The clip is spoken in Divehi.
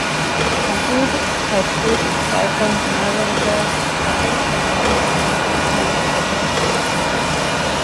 ހަ ފޫޓު ހަތް ފޫޓު ހައިކަށް ހައި ވަރުގައި ހަތަރު މާބިތް ހަމަޔަށް ކަހަލަ ގޮތަކަށް ހުންނަ ގޮޅިތަކެއް